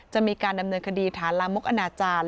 จะมีการดำเนินคดีฐานลามกอนาจารย์